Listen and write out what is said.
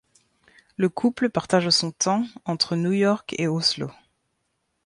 Le couple partage son temps entre New-York et Oslo.